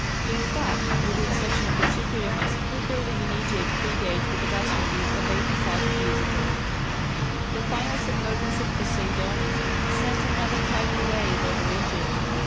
In fact with the exception of the two pyramids no building in Egypt predates the catastrophe of 80,000 years ago. The final submergence of Poseidonis sent another tidal wave over Egypt.